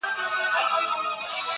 له خټو جوړه لویه خونه ده زمان ژوولې-